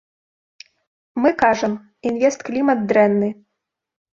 Мы кажам, інвестклімат дрэнны.